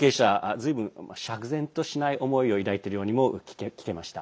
ずいぶんと釈然としない思いを抱いているようにも聞けました。